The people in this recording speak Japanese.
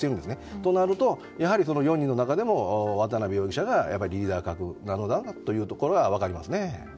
となると、やはりその４人の中でも渡辺容疑者がリーダー格ということが分かりますね。